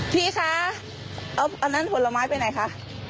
พี่คะเอาอันนั้นผลไม้ไปไหนคะ